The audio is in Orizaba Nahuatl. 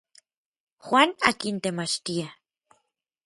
Juan akin temachtia.